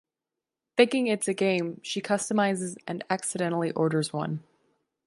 Thinking it's a game, she customizes and accidentally orders one.